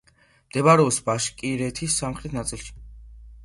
მდებარეობს ბაშკირეთის სამხრეთ ნაწილში.